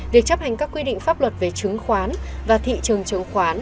việc chấp hành các quy định pháp luật về chứng khoán và thị trường chứng khoán